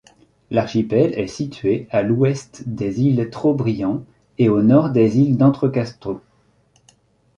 L'archipel est situé à l'ouest des îles Trobriand et au nord des îles d'Entrecasteaux.